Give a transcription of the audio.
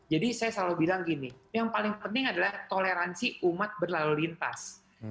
jadi saya selalu bilang gini yang paling penting adalah toleransi umat berlalu lintas